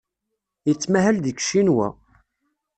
Yettmahal deg Ccinwa.